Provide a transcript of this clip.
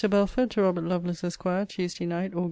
BELFORD, TO ROBERT LOVELACE, ESQ. TUESDAY NIGHT, AUG.